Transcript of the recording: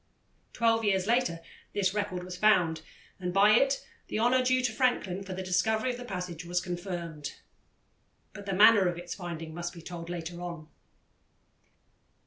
Twelve years later this record was found, and by it the honour due to Franklin for the discovery of the passage was confirmed. But the manner of its finding must be told later on.